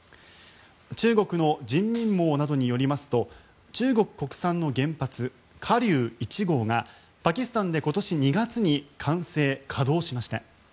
中国の人民網などによりますと中国国産の原発華龍１号がパキスタンで今年２月に完成・稼働しました。